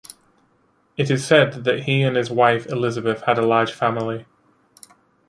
It is said that he and his wife Elizabeth had a large family.